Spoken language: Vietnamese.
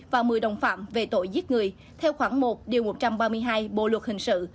và một mươi đồng phạm về tội giết người theo khoảng một điều một trăm ba mươi hai bộ luật hình sự